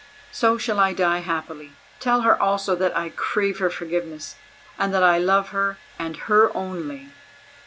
So shall I die happily. Tell her also that I crave her forgiveness and that I love her and her only."